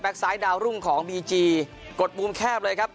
ซ้ายดาวรุ่งของบีจีกดมุมแคบเลยครับ